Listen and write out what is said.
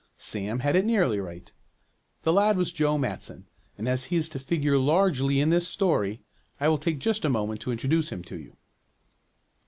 Sam had it nearly right. The lad was Joe Matson, and as he is to figure largely in this story I will take just a moment to introduce him to you.